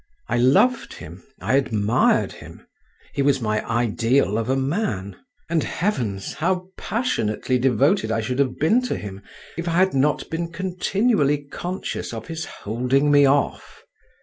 I loved him, I admired him, he was my ideal of a man—and Heavens! how passionately devoted I should have been to him, if I had not been continually conscious of his holding me off!